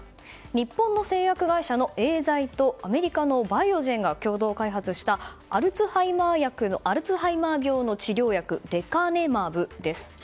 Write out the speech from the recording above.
日本の製薬会社のエーザイとアメリカのバイオジェンが共同開発したアルツハイマー病の治療薬、レカネマブです。